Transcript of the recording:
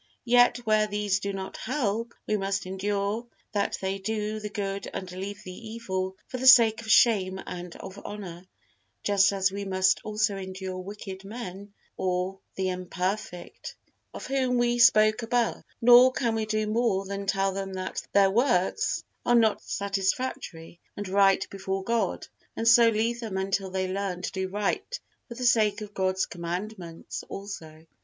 Yet where these do not help, we must endure that they do the good and leave the evil for the sake of shame and of honor, just as we must also endure wicked men or the imperfect, of whom we spoke above; nor can we do more than tell them that their works are not satisfactory and right before God, and so leave them until they learn to do right for the sake of God's commandments also.